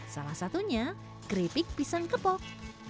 salah satunya keripik pisang kepok